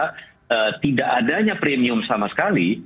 jika tidak ada premium sama sekali